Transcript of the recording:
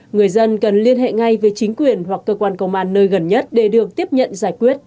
người dân cần liên hệ ngay với chính quyền hoặc cơ quan công an nơi gần nhất để được tiếp nhận giải quyết